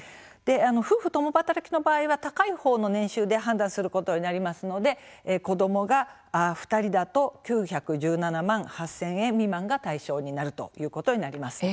夫婦共働きの場合は高いほうの年収で判断することになりますので子どもが２人だと９１７万８０００円未満が対象になるということになります。